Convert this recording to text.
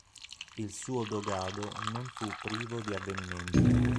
Il suo dogado non fu privo di avvenimenti.